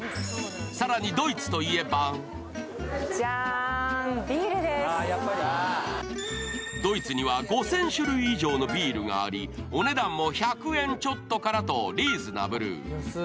更にドイツといえばドイツにも５０００種類以上のビールがありお値段も１００円ちょっとからとリーズナブル。